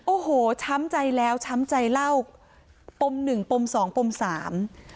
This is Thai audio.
โอ้โหช้ำใจแล้วช้ำใจเล่าปมหนึ่งปมสองปมสาม